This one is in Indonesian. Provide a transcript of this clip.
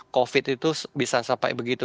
covid itu bisa sampai begitu